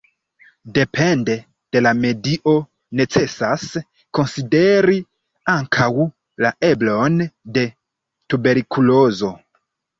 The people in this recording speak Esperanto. Depende de la medio necesas konsideri ankaŭ la eblon de tuberkulozo.